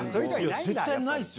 絶対ないっすよ。